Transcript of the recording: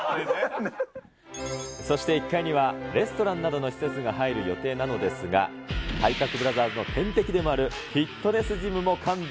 そして１階にはレストランなどの施設が入る予定なのですが、体格ブラザーズの天敵でもあるフィットネスジムも完備。